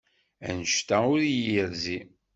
Anect-a ur iyi-yerzi.